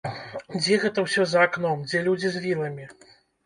Дзе гэта ўсё за акном, дзе людзі з віламі?